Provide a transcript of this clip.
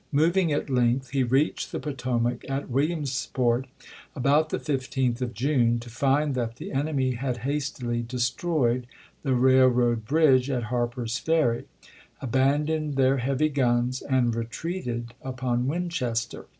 Moving at length he reached the Potomac at Williamsport about the 15th of June, to find that the enemy had hastily destroyed the railroad bridge at Harper's Ferry, abandoned their heavy guns, and retreated upon Winchester.